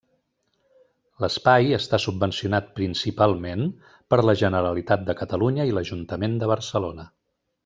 L'espai està subvencionat principalment per la Generalitat de Catalunya i l'Ajuntament de Barcelona.